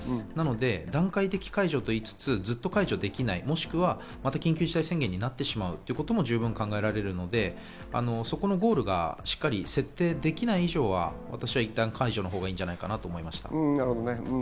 段階的解除と言いつつ、ずっと解除できない、もしくは緊急事態宣言にまたなってしまうことも十分考えられるので、そこのゴールがしっかり設定できない以上は、私はいったん解除のほうがいいんじゃないかと思いました。